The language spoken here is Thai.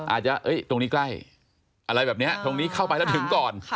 อาจจะตรงนี้ใกล้อะไรแบบนี้ตรงนี้เข้าไปแล้วถึงก่อน